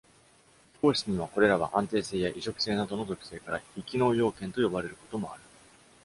非公式には、これらは安定性や移植性などの属性から「非機能要件」と呼ばれることもある。